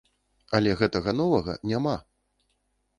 Але гэтага новага няма!